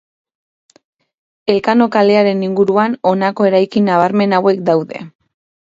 Elkano kalearen inguruan honako eraikin nabarmen hauek daude.